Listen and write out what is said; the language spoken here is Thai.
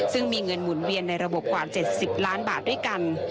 ซึ่งมีเงินหมุนเวียนในระบบกว่า๗๐ล้านบาทด้วยกัน